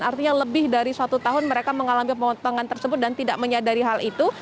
artinya lebih dari satu tahun mereka mengalami pemotongan tersebut dan tidak menyadari hal itu